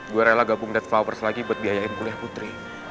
gue rela gabung ded flowers lagi buat biayain kuliah putri